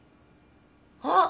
あっ！